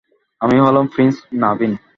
আমি হলাম প্রিন্স নাভিন।